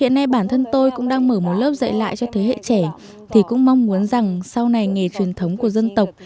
hiện nay bản thân tôi cũng đang mở một lớp dạy lại cho thế hệ trẻ thì cũng mong muốn rằng sau này nghề truyền thống của dân tộc